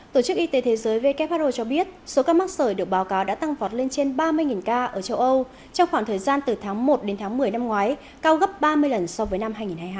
tổ chức y tế thế giới who cho biết số ca mắc sởi được báo cáo đã tăng vọt lên trên ba mươi ca ở châu âu trong khoảng thời gian từ tháng một đến tháng một mươi năm ngoái cao gấp ba mươi lần so với năm hai nghìn hai mươi hai